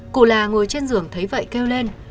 cụ là ngồi trên giường thấy vậy kêu lên